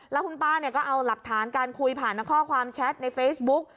แล้วคุณป้าก็เอาหลักฐานการคุยผ่านข้อความแชทในเฟซบุ๊ก